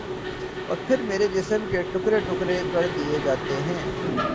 اور پھر میرے جسم کے ٹکڑے ٹکڑے کر دیے جاتے ہیں